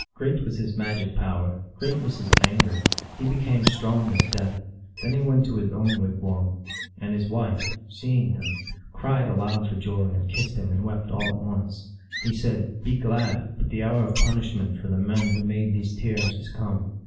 Great was his magic power, great was his anger ; he became strong as death. Then he went to his own wigwam, and his wife, seeing him, cried aloud for joy, and kissed him and wept all at once. He said, " Be glad, but the hour of punishment for the men who made these tears is come."